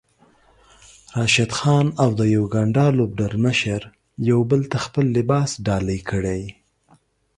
راشد خان او د يوګاندا لوبډلمشر يو بل ته خپل لباس ډالۍ کړی